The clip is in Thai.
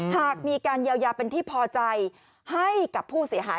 หากมีการเยียวยาเป็นที่พอใจให้กับผู้เสียหาย